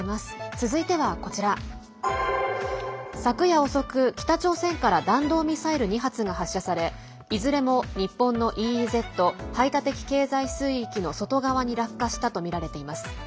続いてはこちら昨夜遅く、北朝鮮から弾道ミサイル２発が発射されいずれも日本のＥＥＺ＝排他的経済水域の外側に落下したとみられています。